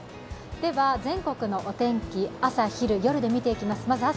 全国のお天気、朝昼夜で見ていきます。